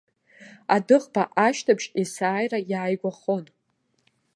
Адәыӷба ашьҭыбжь есааира иааигәахон.